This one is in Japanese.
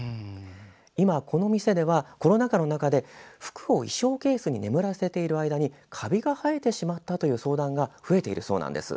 今、この店ではコロナ禍の中で服を衣装ケースに眠らせている間にカビが生えてしまったという相談が増えているそうなんです。